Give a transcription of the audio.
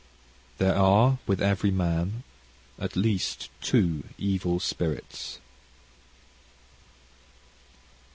"There are with every man at least two evil spirits."...